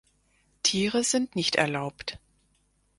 Tiere sind nicht erlaubt.